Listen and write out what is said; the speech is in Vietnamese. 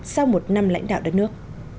sau một năm lãnh đạo đất nước